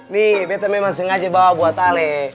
nih betta memang sengaja bawa buat ali